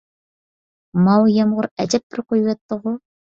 ماۋۇ يامغۇر ئەجەب بىر قۇيۇۋەتتىغۇ!